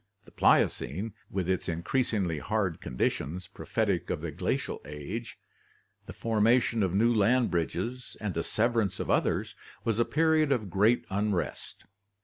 The Pliocene, with its increasingly hard conditions, prophetic of the glacial age, the forma tion of new land bridges and the severance of others, was a period of great unrest.